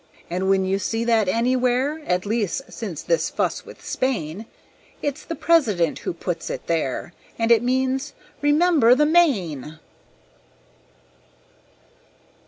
And when you see that anywhere, At least, since this fuss with Spain, It's the President who puts it there, And it means 'Remember the Maine'!"